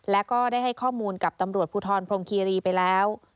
และก็ได้ให้ข้อมูลกับตำรวจภูทรพรมคีรีไปแล้ว